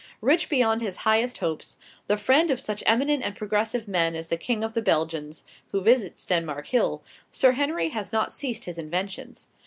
Rich beyond his highest hopes, the friend of such eminent and progressive men as the King of the Belgians, who visits Denmark Hill, Sir Henry has not ceased his inventions.